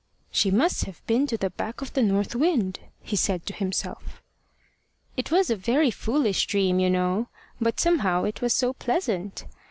"She must have been to the back of the north wind," he said to himself. "It was a very foolish dream, you know. But somehow it was so pleasant!